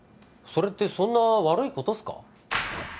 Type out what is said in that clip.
それってそんな悪いことっすか？